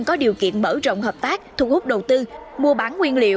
có điều kiện mở rộng hợp tác thu hút đầu tư mua bán nguyên liệu